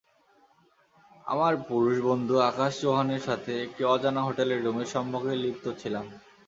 আমার পুরুষ-বন্ধু আকাশ চৌহানের সাথে, একটি অজানা হোটেলের রুমে, সম্ভোগে লিপ্ত ছিলাম।